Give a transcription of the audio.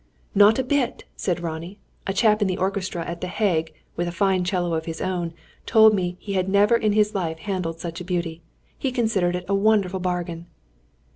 "Not a bit!" said Ronnie. "A chap in the orchestra at the Hague, with a fine 'cello of his own, told me he had never in his life handled such a beauty. He considered it a wonderful bargain."